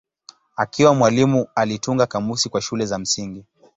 Akiwa mwalimu alitunga kamusi kwa shule za msingi.